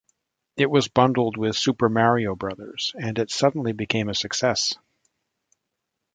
It was bundled with "Super Mario Brothers" and it suddenly became a success.